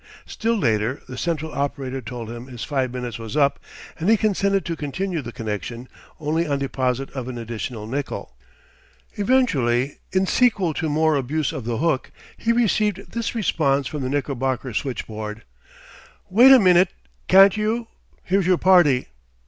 Still later the central operator told him his five minutes was up and consented to continue the connection only on deposit of an additional nickel. Eventually, in sequel to more abuse of the hook, he received this response from the Knickerbocker switchboard: "Wait a min'te, can't you? Here's your party."